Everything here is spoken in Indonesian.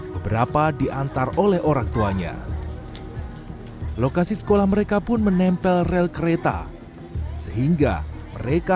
beberapa diantar oleh orang tuanya lokasi sekolah mereka pun menempel rel kereta sehingga mereka